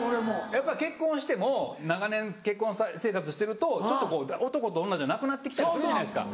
やっぱり結婚しても長年結婚生活してるとちょっとこう男と女じゃなくなってきたりするじゃないですか。